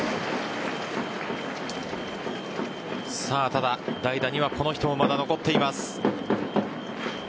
ただ、代打にはこの人がまだ残っています。